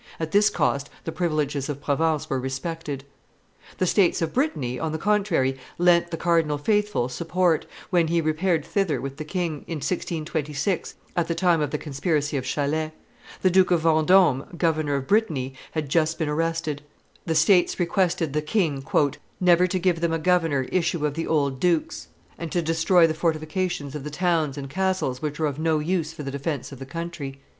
At this cost the privileges of Provence were respected. The states of Brittany, on the contrary, lent the cardinal faithful support, when he repaired thither with the king, in 1626, at the time of the conspiracy of Chalais; the Duke of Vendome, governor of Brittany, had just been arrested; the states requested the king "never to give them a governor issue of the old dukes, and to destroy the fortifications of the towns and castles which were of no use for the defence of the country."